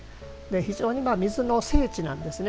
非常に水の聖地なんですね。